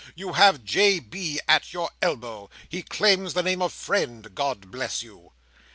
You have J. B. at your elbow. He claims the name of friend. God bless you!"